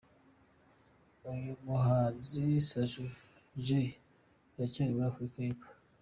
Uyu muhanzi Sugu Jay aracyari muri Afurika y’Epfo.